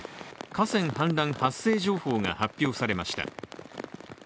河川氾濫発生情報が発表されました。